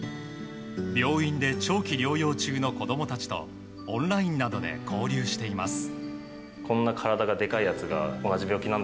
病院で長期療養中の子供たちとオンラインなどで交流しています。